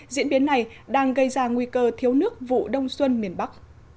diễn biến này đang gây ra nguy cơ thiếu nước vụ đông xuân miền bắc